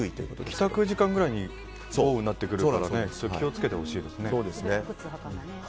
帰宅時間ぐらいに豪雨になってくると気を付けてほしいですね。